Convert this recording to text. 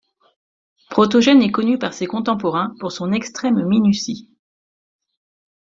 Protogène est connu par ses contemporains pour son extrême minutie.